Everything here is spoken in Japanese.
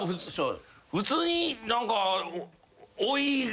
普通に何か。とか。